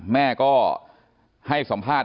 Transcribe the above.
แม่ก็ให้สอมภาษณ์ด้วยนะครับ